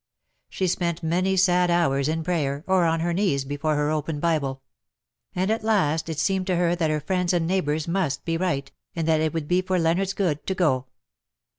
She spent many sad hours in prayer, or on her knees before her open Bible ; and at last it seemed to her that her friends and neighbours must be right, and that it would be for Leonardos good to go.